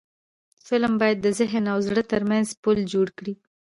فلم باید د ذهن او زړه ترمنځ پل جوړ کړي